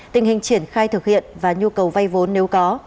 tình hình triển khai thực hiện và nhu cầu vay vốn nếu có